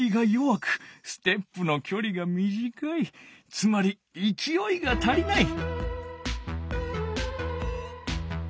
つまりいきおいが足りない。